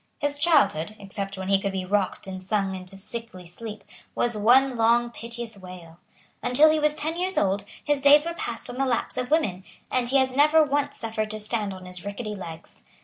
His childhood, except when he could be rocked and sung into sickly sleep, was one long piteous wail. Until he was ten years old his days were passed on the laps of women; and he has never once suffered to stand on his ricketty legs.